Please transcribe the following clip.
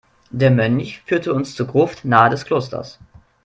Der Mönch führte uns zur Gruft nahe des Klosters.